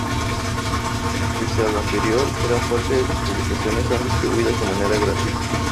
Pese a lo anterior, gran parte de sus publicaciones son distribuidas de manera gratuita.